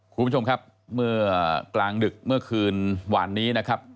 คุณผู้ชมครับเมื่อกลางดึกเมื่อคืนหวานนี้นะครับ